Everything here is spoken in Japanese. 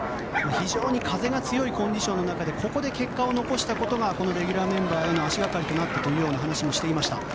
非常に風が強いコンディションでここで結果を残したことがこのレギュラーメンバーへの足がかりとなったという話もしていました。